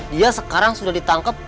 dia sekarang sudah ditangkep